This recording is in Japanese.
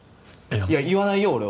いや言わないよ